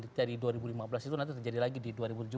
dijadi dua ribu lima belas itu nanti terjadi lagi di